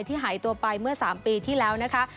หายตัวไปเมื่อ๓ปีที่แล้วนะคะ